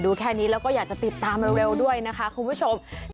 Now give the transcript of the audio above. แค่นี้แล้วก็อยากจะติดตามเร็วด้วยนะคะคุณผู้ชม